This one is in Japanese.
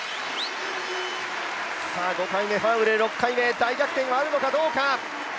５回目ファウルで、６回目大逆転はあるのかどうか。